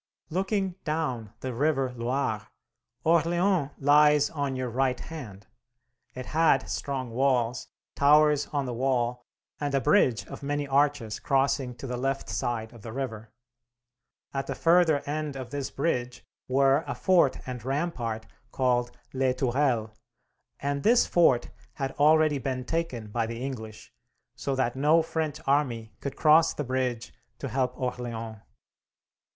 Looking down the river Loire, Orleans lies on your right hand. It had strong walls, towers on the wall, and a bridge of many arches crossing to the left side of the river. At the further end of this bridge were a fort and rampart called Les Tourelles, and this fort had already been taken by the English, so that no French army could cross the bridge to help Orleans.